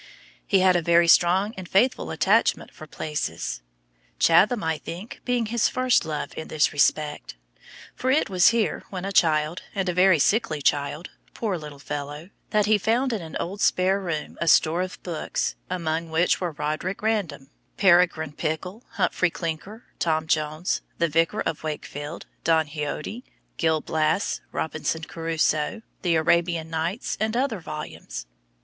He had a very strong and faithful attachment for places: Chatham, I think, being his first love in this respect. For it was here, when a child, and a very sickly child, poor little fellow, that he found in an old spare room a store of books, among which were "Roderick Random," "Peregrine Pickle," "Humphrey Clinker," "Tom Jones," "The Vicar of Wakefield," "Don Quixote," "Gil Blas," "Robinson Crusoe," "The Arabian Nights," and other volumes.